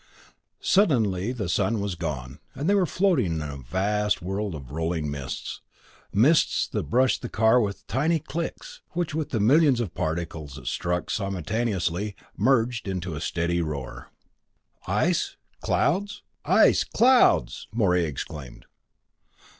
IV Suddenly the blazing sun was gone and they were floating in a vast world of rolling mists mists that brushed the car with tiny clicks, which, with the millions of particles that struck simultaneously, merged into a steady roar. "Ice ice clouds!" Morey exclaimed.